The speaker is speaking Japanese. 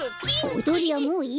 おどりはもういいから。